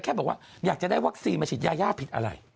แค่บอกว่าอยากจะได้วัคซีนมาฉีดยายาผิดอะไร